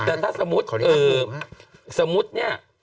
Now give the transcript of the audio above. แต่ถ้าสมมุติสมมุติเนี่ย